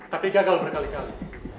tapi gagal berkali kali